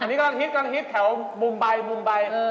อันนี้กลางฮิตแถวมุมใบ